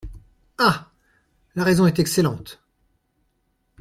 Ah ! la raison est excellente.